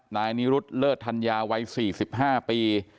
นายนิรุษรเลิศธัญญาไว้สี่สิบห้าปี